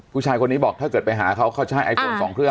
ผู้ชายคนนี้บอกถ้าเกิดไปหาเขาเขาใช้ไอโฟน๒เครื่อง